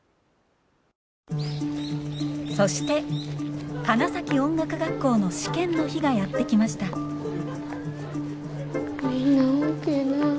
そして花咲音楽学校の試験の日がやって来ましたみんな大けぇな。